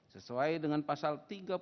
sesuai dengan pasal tiga puluh